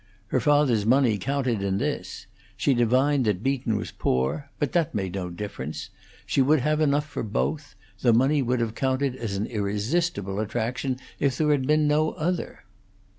Her father's money counted in this; she divined that Beaton was poor; but that made no difference; she would have enough for both; the money would have counted as an irresistible attraction if there had been no other.